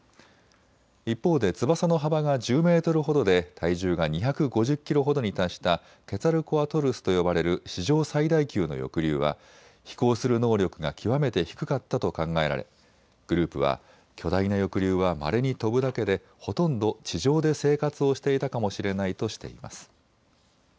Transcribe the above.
一方で翼の幅が１０メートルほどで体重が２５０キロほどに達したケツァルコアトルスと呼ばれる史上最大級の翼竜は飛行する能力が極めて低かったと考えられグループは巨大な翼竜はまれに飛ぶだけで、ほとんど地上で生活をしていたかもしれないとしています。